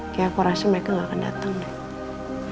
kayak aku rasa mereka gak akan dateng deh